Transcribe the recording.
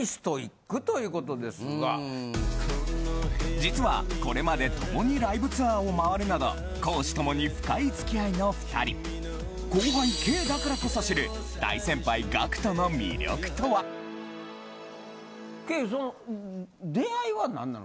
実はこれまで共にライブツアーをまわるなど公私ともに深い付き合いの２人後輩Ｋだからこそ知るＫその出会いは何なの？